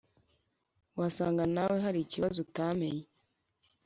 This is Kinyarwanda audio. wasanga nawe harikibazo utamenye"